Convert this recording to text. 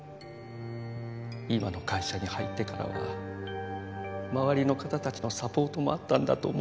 今の会社に入ってからは周りの方たちのサポートもあったんだと思います。